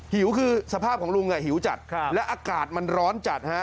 หิวคือสภาพของลุงหิวจัดและอากาศมันร้อนจัดฮะ